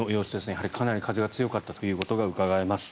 やはりかなり風が強かったことがうかがえます。